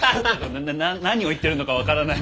ななな何を言ってるのか分からない。